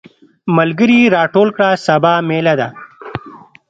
ملګري راټول کړه سبا ميله ده.